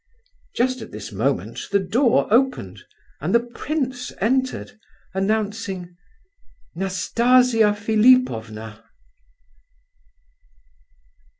Just at this moment the door opened and the prince entered, announcing: "Nastasia Philipovna!"